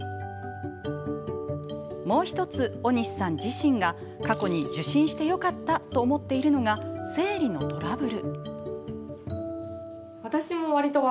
もう１つ、尾西さん自身が過去に受診してよかったと思っているのが生理のトラブル。